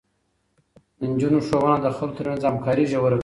د نجونو ښوونه د خلکو ترمنځ همکاري ژوره کوي.